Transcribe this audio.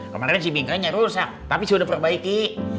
kemarin si bingkainya rusak tapi sudah diperbaiki